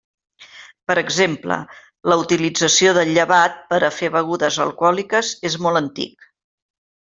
Per exemple la utilització del llevat per a fer begudes alcohòliques és molt antic.